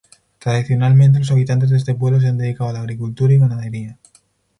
Tradicionalmente los habitantes de este pueblo se han dedicado a la agricultura y ganadería.